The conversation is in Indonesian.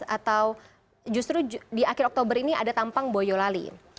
atau justru di akhir oktober ini ada tampang boyolali